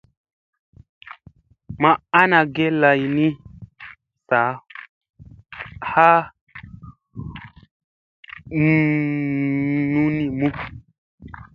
Ma ana ge lay ni saa ha nunimu.